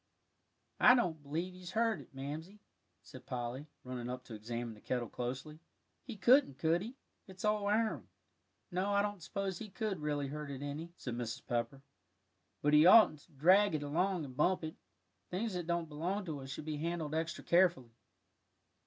"I don't b'lieve he's hurt it, Mamsie," said Polly, running up to examine the kettle closely; "he couldn't, could he? it's all iron." "No, I don't suppose he could really hurt it any," said Mrs. Pepper, "but he oughtn't to drag it along and bump it. Things that don't belong to us should be handled extra carefully.